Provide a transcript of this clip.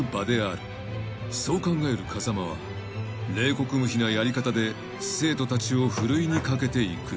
［そう考える風間は冷酷無比なやり方で生徒たちをふるいにかけていく］